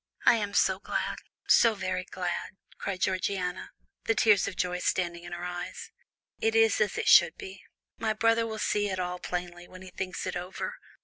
"I am so glad, so very glad," cried Georgiana, the tears of joy standing in her eyes. "It is as it should be. My brother will see it all plainly, when he thinks it over.